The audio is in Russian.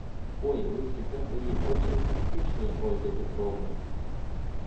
Ой, Вы всегда были очень тактичны, Ольга Петровна.